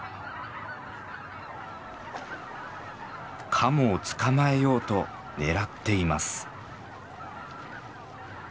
カモを捕まえようと狙っています。